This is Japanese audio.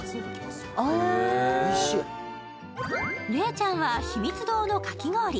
礼ちゃんはひみつ堂のかき氷。